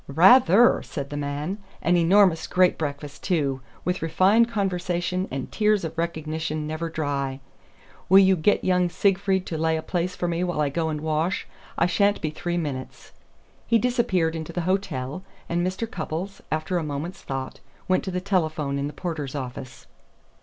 "Rather!" said the man. "An enormous great breakfast, too with refined conversation and tears of recognition never dry. Will you get young Siegfried to lay a place for me while I go and wash? I sha'n't be three minutes." He disappeared into the hotel, and Mr. Cupples, after a moment's thought, went to the telephone in the porter's office.